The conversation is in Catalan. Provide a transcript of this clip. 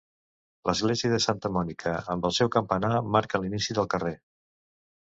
L'església de Santa Mònica, amb el seu campanar, marca l'inici del carrer.